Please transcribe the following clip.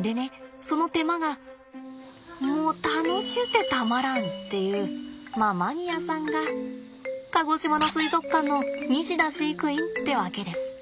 でねその手間がもう楽しゅうてたまらんっていうまあマニアさんが鹿児島の水族館の西田飼育員ってわけです。